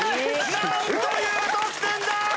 なんという得点だ！